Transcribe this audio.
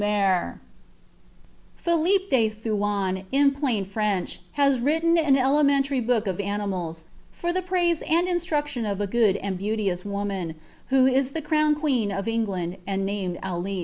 *'Philippe de Thuan, in plain French, Has written an elementary book of animals, For the praise and instruction of a good and beauteous woman, Who it the crowned queen of England, and named Alix."